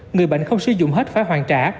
người bệnh không sử dụng hết phải hoàn trả